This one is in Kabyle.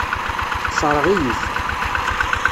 Tessṛeɣ-iyi-t.